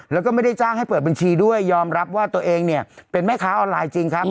แล้วก็ไม่ได้จ้างให้เปิดบัญชีด้วยยอมรับว่าตัวเองเนี่ยเป็นแม่ค้าออนไลน์จริงครับ